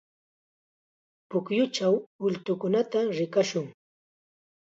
Pukyuchaw ultukunata rikamushun.